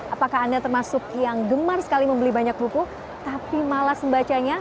apakah anda termasuk yang gemar sekali membeli banyak buku tapi malas membacanya